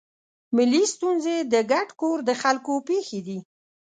ملي ستونزې د ګډ کور د خلکو پېښې دي.